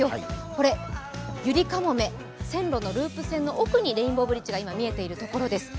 これゆりかもめ線路のループ線の奥にレインボーブリッジが今見えているところです。